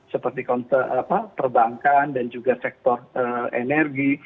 seperti perbankan dan juga sektor energi